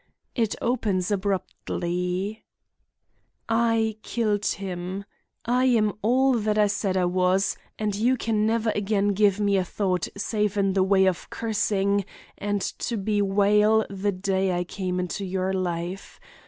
It opens abruptly: "I killed him. I am all that I said I was, and you can never again give me a thought save in the way of cursing and to bewail the day I came into your life.